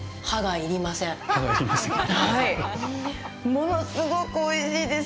物すごくおいしいです。